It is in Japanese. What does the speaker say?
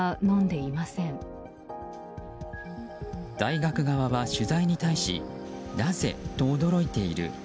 大学側は取材に対しなぜと驚いている。